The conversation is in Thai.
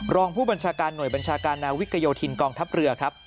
รองผู้บัญชาการหน่วยบัญชาการนาวิกโยธินกองทัพเรือครับ